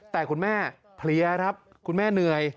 แต่คุณแม่เพลียครับคุณแม่เหนื่อย